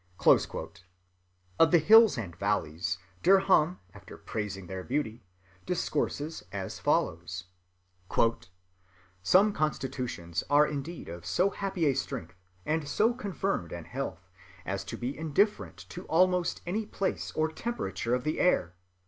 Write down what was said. Of the hills and valleys, Derham, after praising their beauty, discourses as follows: "Some constitutions are indeed of so happy a strength, and so confirmed an health, as to be indifferent to almost any place or temperature of the air.